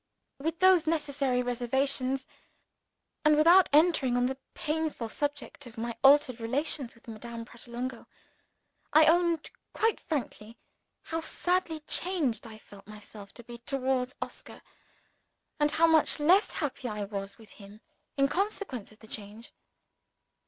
With those necessary reservations and without entering on the painful subject of my altered relations with Madame Pratolungo I owned quite frankly how sadly changed I felt myself to be towards Oscar, and how much less happy I was with him, in consequence of the change.